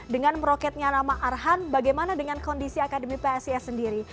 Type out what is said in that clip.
dengan meroketnya nama arhan bagaimana dengan kondisi akademi psis sendiri